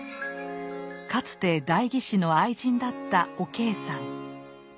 かつて代議士の愛人だったお計さん。